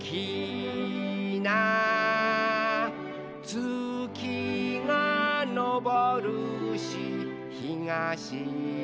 「つきがのぼるしひがしずむ」